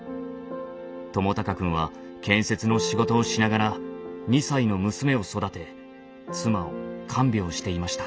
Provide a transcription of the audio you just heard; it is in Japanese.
智隆くんは建設の仕事をしながら２歳の娘を育て妻を看病していました。